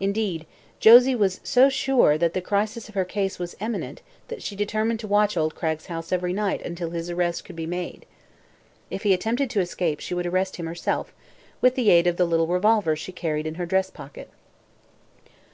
Indeed, Josie was so sure that the crisis of her case was imminent that she determined to watch old Cragg's house every night until his arrest could be made. If he attempted to escape she would arrest him herself, with the aid of the little revolver she carried in her dress pocket.